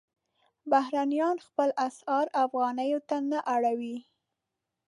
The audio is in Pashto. بهرنیان خپل اسعار افغانیو ته نه اړوي.